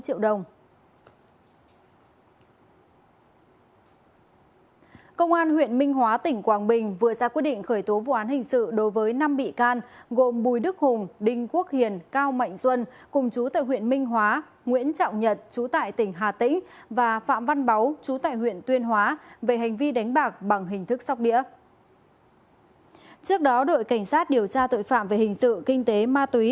công an huyện minh hóa tỉnh quảng bình vừa ra quyết định khởi tố vụ án hình sự đối với năm bị can gồm bùi đức hùng đinh quốc hiền cao mạnh duân chú tại tỉnh hà tĩnh và phạm văn báu chú tại tỉnh hà tĩnh và phạm văn báu chú tại tỉnh hà tĩnh và phạm văn báu